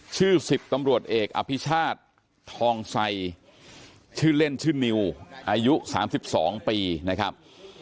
ชื่อ๑๐ตำรวจเอกอภิชาติทองไซชื่อเล่นชื่อนิวอายุ๓๒ปีนะครับ